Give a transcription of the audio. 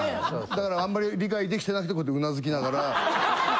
だからあんまり理解できてなくてこうやって頷きながら。